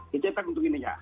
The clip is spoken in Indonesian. dicetak untuk ini ya